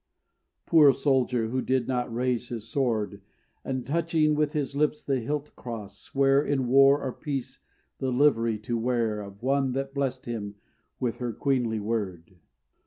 Poor soldier he who did not raise his sword, And, touching with his lips the hilt cross, swear In war or peace the livery to wear Of one that blessed him with her queenly word.